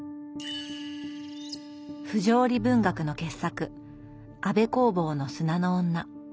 不条理文学の傑作安部公房の「砂の女」。